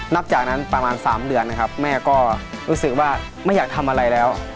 นับจากนั้นประมาณ๓เดือนนะครับแม่ก็รู้สึกว่าไม่อยากทำอะไรแล้ว